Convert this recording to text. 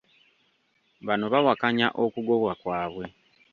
Bano bawakanya okugobwa kwabwe.